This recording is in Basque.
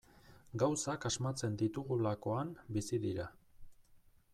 Gauzak asmatzen ditugulakoan bizi dira.